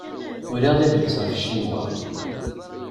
Uriɣ-d adlis ɣef Ccinwa.